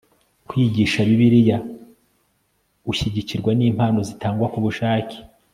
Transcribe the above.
kwigisha bibiliya ushyigikirwa n'impano zitangwa ku bushake